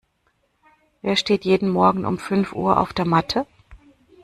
Wer steht jeden Morgen um fünf Uhr auf der Matte?